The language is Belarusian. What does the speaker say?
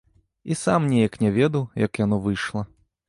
І сам неяк не ведаў, як яно выйшла.